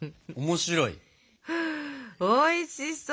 おいしそう！